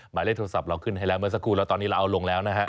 หมายเลขโทรศัพท์เราขึ้นให้แล้วเมื่อสักครู่แล้วตอนนี้เราเอาลงแล้วนะฮะ